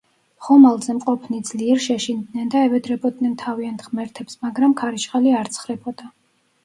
ხომალდზე მყოფნი ძლიერ შეშინდნენ და ევედრებოდნენ თავიანთ ღმერთებს, მაგრამ ქარიშხალი არ ცხრებოდა.